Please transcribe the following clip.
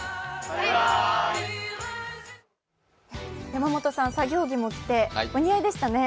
山本さん、作業着も着てお似合いでしたね。